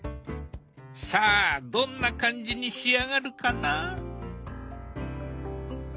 さあどんな感じに仕上がるかな？